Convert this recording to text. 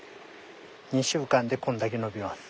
２週間でこんだけ伸びます。